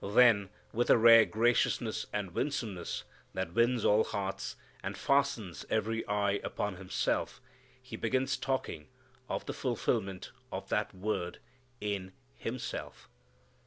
Then with a rare graciousness and winsomeness that wins all hearts, and fastens every eye upon Himself, He begins talking of the fulfilment of that word in Himself.